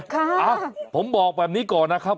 ค่ะผมบอกแบบนี้ก่อนนะครับ